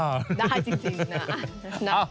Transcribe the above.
ได้จริงนะ